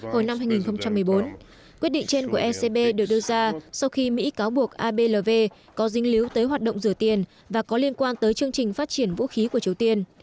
hồi năm hai nghìn một mươi bốn quyết định trên của ecb được đưa ra sau khi mỹ cáo buộc ablv có dính líu tới hoạt động rửa tiền và có liên quan tới chương trình phát triển vũ khí của triều tiên